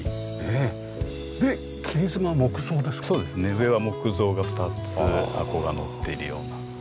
上は木造が２つ箱がのっているような。